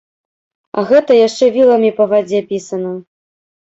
А гэта яшчэ віламі па вадзе пісана.